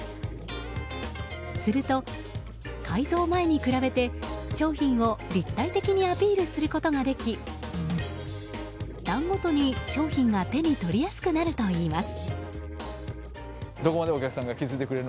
すると改造前に比べて商品を、立体的にアピールすることができ段ごとに商品が手に取りやすくなるといいます。